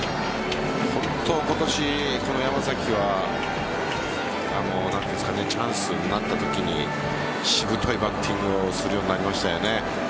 本当、今年、この山崎はチャンスになったときにしぶといバッティングをするようになりましたよね。